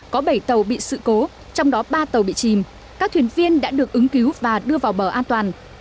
có bảy tàu bị sự cố trong đó ba tàu bị chìm các thuyền viên đã được ứng cứu và đưa vào bờ an toàn